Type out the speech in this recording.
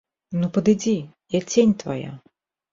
Ну, падыдзі, я цень твая.